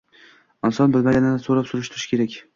Inson bilmaganini so‘rab-surishtirishi kerak.